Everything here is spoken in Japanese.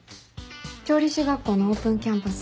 調理師学校のオープンキャンパス